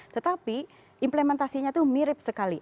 tetapi implementasinya itu mirip sekali